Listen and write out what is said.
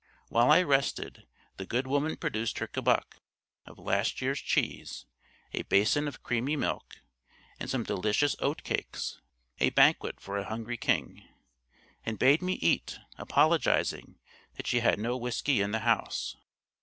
While I rested, the good woman produced her kebbuck of last year's cheese, a basin of creamy milk, and some delicious oat cakes, a banquet for a hungry king, and bade me eat, apologising that she had no whisky in the house.